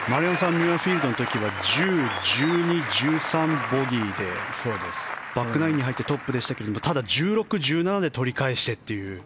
ミュアフィールドの時は１０、１２、１３、ボギーでバックナインに入ってトップでしたがただ、１６、１７で取り返してという。